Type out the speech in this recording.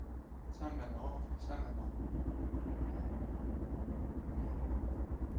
It is informally known as the Ekka Loop.